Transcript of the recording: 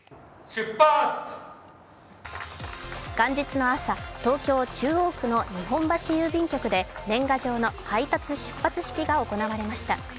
元日の朝、東京・中央区の日本橋郵便局で年賀状の配達出発式が行われました。